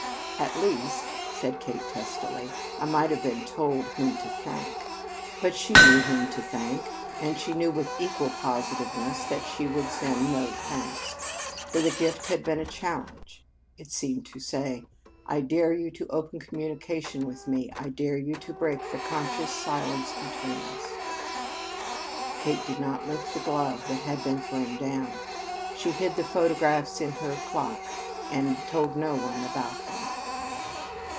"At least," said Kate testily, "I might have been told whom to thank." But she knew whom to thank and she knew with equal positiveness that she would send no thanks. For the gift had been a challenge. It seemed to say: "I dare you to open communication with me. I dare you to break the conscious silence between us!" Kate did not lift the glove that had been thrown down. She hid the photographs in her clock and told no one about them.